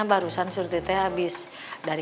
balik dan sertifikan